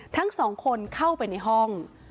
ทั้งสองคนเข้าไปในห้อง